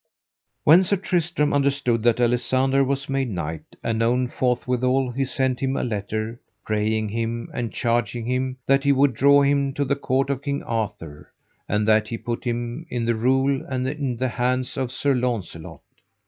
When Sir Tristram understood that Alisander was made knight, anon forthwithal he sent him a letter, praying him and charging him that he would draw him to the court of King Arthur, and that he put him in the rule and in the hands of Sir Launcelot.